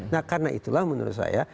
nah karena itulah menurut saya